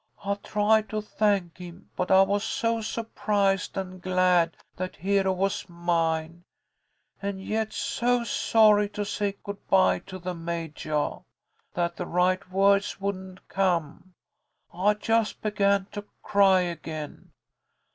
I tried to thank him, but I was so surprised and glad that Hero was mine, and yet so sorry to say good bye to the Majah, that the right words wouldn't come. I just began to cry again.